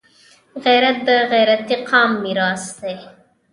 غیرت د غیرتي قام میراث دی